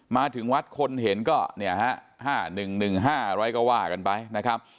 มาถึงวัดคนเห็นก็เนี่ยฮะ๕๑๑๕อะไรก็ว่ากันไปนะครับ